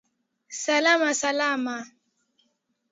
Salama Salama